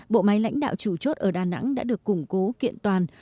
bộ máy lãnh đạo chủ chốt ở đà nẵng đã được củng cố kiện toàn